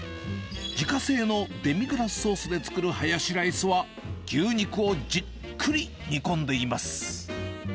自家製のデミグラスソースで作るハヤシライスは、牛肉をじっくり煮込んでいます。